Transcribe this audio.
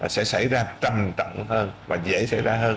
sẽ xảy ra trầm trọng hơn và dễ xảy ra hơn